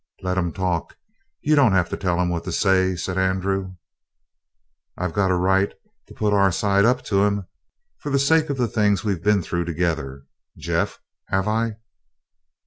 "Let him talk. You don't have to tell him what to say," said Andrew. "I've got a right to put our side up to him for the sake of the things we've been through together. Jeff, have I?"